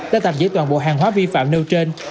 đã tạm giữ toàn bộ hàng hóa vi phạm nêu trên